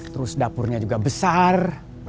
terus dapurnya juga besar